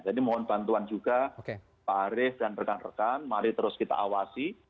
jadi mohon bantuan juga pak arief dan rekan rekan mari terus kita awasi